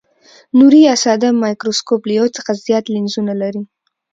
نوري یا ساده مایکروسکوپ له یو څخه زیات لینزونه لري.